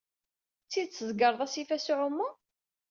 D tidet tzegreḍ asif-a s uɛumu?